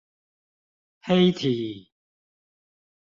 黑體